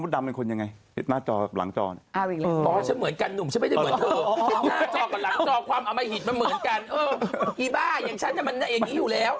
อีบ้าอย่างฉันมันอย่างนี้อยู่แล้ว